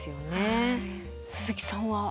鈴木さんは？